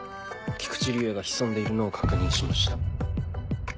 菊池竜哉が潜んでいるのを確認しました。